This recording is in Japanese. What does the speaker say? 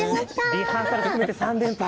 リハーサル含めて３連敗。